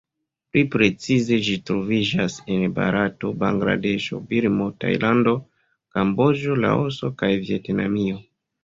Pli precize ĝi troviĝas en Barato, Bangladeŝo, Birmo, Tajlando, Kamboĝo, Laoso kaj Vjetnamio.